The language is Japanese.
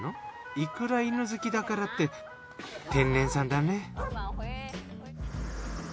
いくら犬好きだからって天然さんだね。